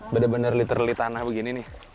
bener bener literally tanah begini nih